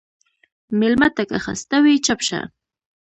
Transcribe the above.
مېلمه ته که خسته وي، چپ شه.